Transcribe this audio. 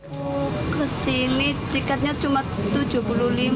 mau kesini tiketnya cuma rp tujuh puluh lima